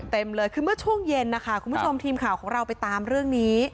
เต็มเลยคือเมื่อช่วงเย็นนะคะคุณผู้ชมทีมข่าวของเราไปตามเรื่องนี้